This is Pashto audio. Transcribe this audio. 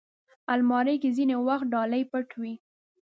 الماري کې ځینې وخت ډالۍ پټ وي